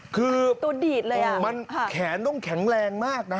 คือมันแขนต้องแข็งแรงมากนะ